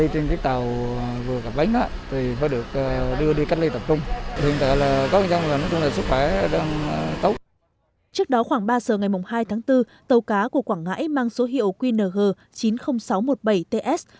trước đó khoảng ba giờ ngày hai tháng bốn tàu cá của quảng ngãi mang số hiệu qnh chín mươi nghìn sáu trăm một mươi bảy ts